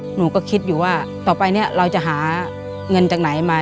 หนูก็คิดอยู่ว่าต่อไปเนี่ยเราจะหาเงินจากไหนมา